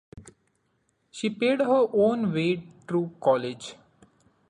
She paid her own way through college.